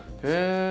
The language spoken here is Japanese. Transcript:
へえ！